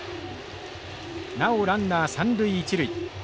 なおランナー三塁一塁。